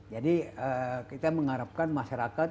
jadi kita mengharapkan masyarakat